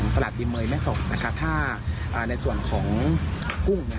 ตลาดดีเมยแม่ศพถ้าในส่วนของกุ้ง